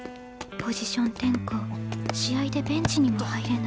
ポジション転向試合でベンチにも入れない。